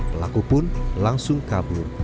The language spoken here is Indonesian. pelaku pun langsung kabur